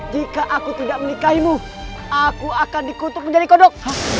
jika aku tidak menikahimu aku akan dikutuk menjadi kodok